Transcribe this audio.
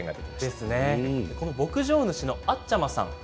牧場主のあっちゃまさん